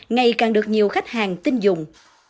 ngày càng được nhiều khách hàng tin dùng